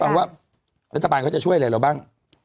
เพราะว่ารัฐบาลจะช่วยอะไรหรือบ้าง